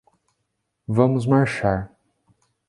Vamos marchar